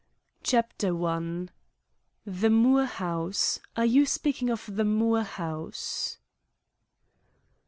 "THE MOORE HOUSE? ARE YOU SPEAKING OF THE MOORE HOUSE?"